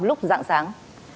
lúc dạng sáng